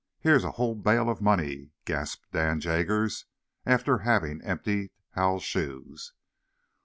Here's a whole bale of money!" gasped Dan Jaggers, after having emptied Hal's shoes.